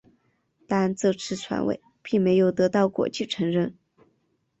但这次传位并没有得到国际承认。